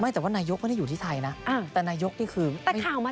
ไม่แต่ว่านายยกยังไม่ได้อยู่ท่ายนะ